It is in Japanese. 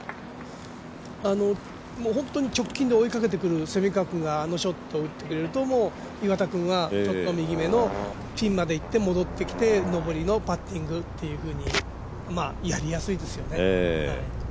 本当に直近で追いかけてくる蝉川君があのショットを打ってくれるともう岩田君はちょっと右目のピンまで行って戻ってきて上りのパッティングっていうふうにやりやすいですよね。